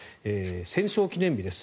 戦勝記念日です。